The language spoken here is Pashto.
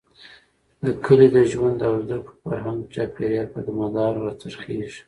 د کلي د ژوند او زده کړو، فرهنګ ،چاپېريال، په مدار را څرخېږي.